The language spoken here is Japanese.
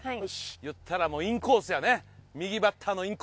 言ったらもうインコースやね。